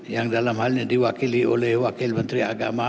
yang dalam hal ini diwakili oleh wakil menteri agama